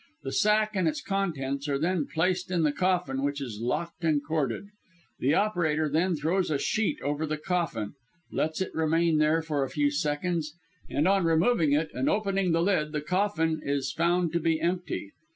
The sack and its contents are then placed in the coffin which is locked and corded. The operator then throws a sheet over the coffin, lets it remain there for a few seconds, and on removing it and opening the lid, the coffin, is found to be empty.